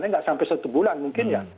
ini nggak sampai satu bulan mungkin ya